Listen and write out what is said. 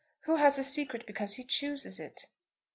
Who has a secret because he chooses it?"